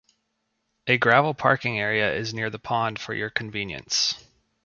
A gravel parking area is near the pond for your convenience.